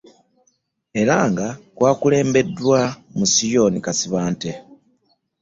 Era nga kwakulembeddwa Musinyooli Kasibante